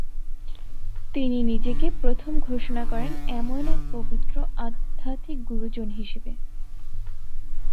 তিনি নিজেকে প্রথম ঘোষণা করেন এমন এক পবিত্র আধ্যাত্মিক গুরুজন হিসেবে।